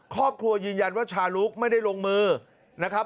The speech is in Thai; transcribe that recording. ครอบครัวยืนยันว่าชาลุกไม่ได้ลงมือนะครับ